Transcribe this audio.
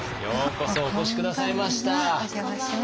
お邪魔します。